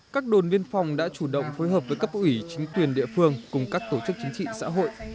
các đồn viên phòng đã chủ động phối hợp với các bộ ủy chính tuyển địa phương cùng các tổ chức chính trị xã hội